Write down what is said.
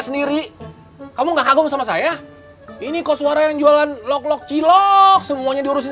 sendiri kamu nggak kagum sama saya ini kok suara yang jualan lok lok cilok semuanya diurusin